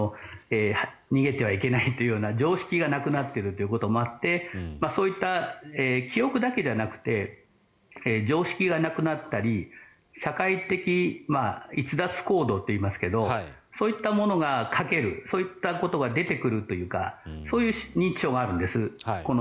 逃げてはいけないという常識がなくなっているということもあってそういった記憶だけではなくて常識がなくなったり社会的逸脱行動といいますがそういったものが欠けるそういったことが出てくるというかそういう認知症があるんです。